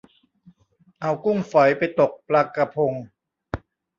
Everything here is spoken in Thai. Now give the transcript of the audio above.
เอากุ้งฝอยไปตกปลากะพง